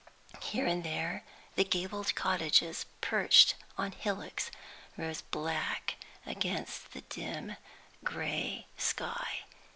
Here and there, the gabled cottages, perched on hillocks, rose black against the dim gray sky.